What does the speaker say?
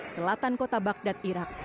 selatan kota bagdad irak